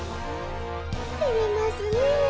てれますねえ。